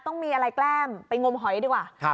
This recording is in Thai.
ต้องมีอะไรแกล้มไปงมหอยดีกว่า